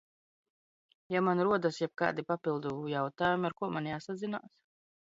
Ja man rodas jebkādi papildu jautājumi, ar ko man jāsazinās?